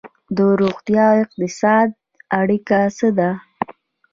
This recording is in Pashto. د روغتیا او اقتصاد اړیکه څه ده؟